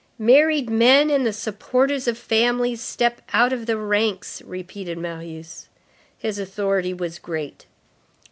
"Married men and the supporters of families, step out of the ranks!" repeated Marius. His authority was great.